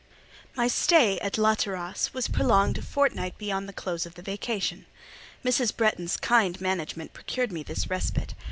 My stay at La Terrasse was prolonged a fortnight beyond the close of the vacation. Mrs. Bretton's kind management procured me this respite.